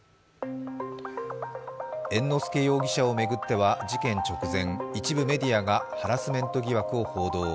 猿之助容疑者を巡っては事件直前、一部メディアがハラスメント疑惑を報道。